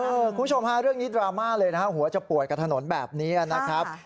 คุณผู้ชมฮะเรื่องนี้ดราม่าเลยนะฮะหัวจะปวดกับถนนแบบนี้นะครับ